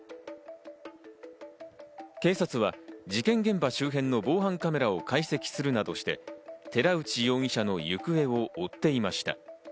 警察は事件現場周辺の防犯カメラを解析するなどして、寺内容疑者の行方を追っていました。